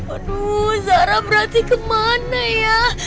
aduh zara berarti kemana ya